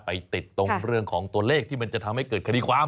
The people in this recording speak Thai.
ไปติดตรงเรื่องของตัวเลขที่มันจะทำให้เกิดคดีความ